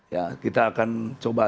ya kita akan coba